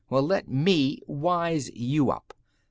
Well, let me wise you up.